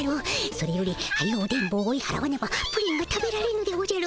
それよりはよう電ボを追いはらわねばプリンが食べられぬでおじゃる。